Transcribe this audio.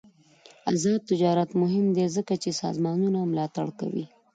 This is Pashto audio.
آزاد تجارت مهم دی ځکه چې سازمانونه ملاتړ کوي.